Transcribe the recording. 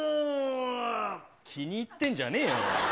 気に入ってんじゃねぇよ。